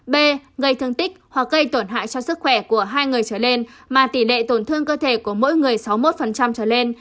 b gây thương tích hoặc gây tổn hại cho sức khỏe của hai người trở lên mà tỷ lệ tổn thương cơ thể của mỗi người sáu mươi một trở lên